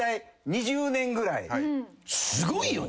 すごいよね。